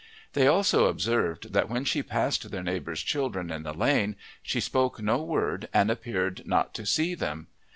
They also observed that when she passed their neighbours' children in the lane she spoke no word and appeared not to see them.